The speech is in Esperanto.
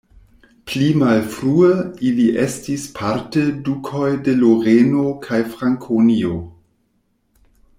Pli malfrue ili estis parte dukoj de Loreno kaj Frankonio.